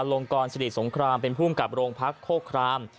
อลงกรสิริสงครามฟูมกับโรงพักโคคลาม